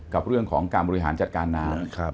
กับเรื่องของการบริหารจัดการน้ำ